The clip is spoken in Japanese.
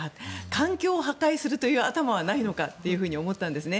環境を破壊するという頭はないのかと思ったんですね。